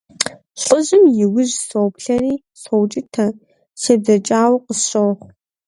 ЛӀыжьым и ужь соплъэри соукӀытэ, себзэджэкӀауэ къысщохъу.